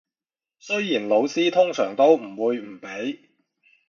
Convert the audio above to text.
雖然老師通常都唔會唔俾